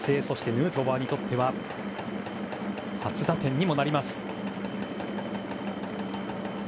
ヌートバーにとっては初打点にもなります。